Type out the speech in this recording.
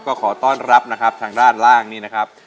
ก็ขอต้อนรับนะครับทางด้านล่างนี่นะครับ